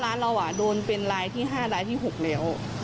ร้านเราโดนเป็นรายที่๕รายที่๖แล้ว